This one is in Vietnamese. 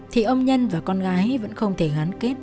thì ông nhân và con gái vẫn không thể gắn kết